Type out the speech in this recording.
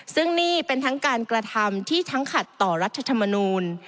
ซึ่งนี่เป็นทั้งการกระทำที่ทั้งขัดต่อรัฐธรรมนูล